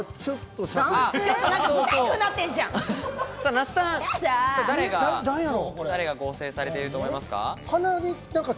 那須さん、誰が合成されていると思いますか？